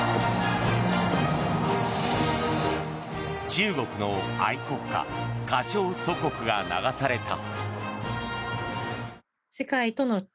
中国の愛国歌「歌唱祖国」が流された。